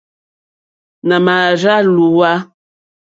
Nà mà àrzá lǒhwà.